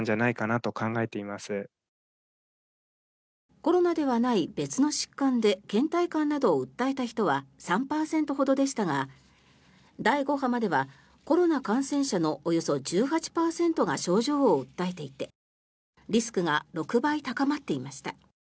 コロナではない別の疾患でけん怠感などを訴えた人は３％ほどでしたが第５波まではコロナ感染者のおよそ１８％が症状を訴えていてリスクが６倍高まっていました。